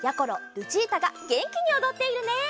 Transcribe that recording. ルチータがげんきにおどっているね。